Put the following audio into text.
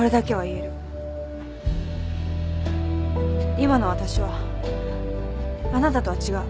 今のわたしはあなたとは違う。